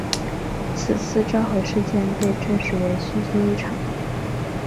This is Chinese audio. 此次召回事件被证实为虚惊一场。